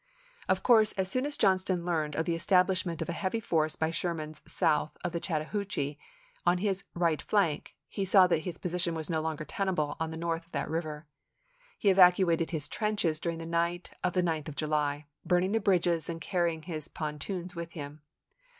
Of course as soon as Johnston learned of the es tablishment of a heavy force by Sherman south of the Chattahoochee on his right flank, he saw that his position was no longer tenable on the north of that river. He evacuated his trenches during the night of the 9th of July, burning the bridges and carrying his pontoons with him.